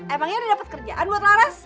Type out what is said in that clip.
emangnya udah dapet kerjaan buat laras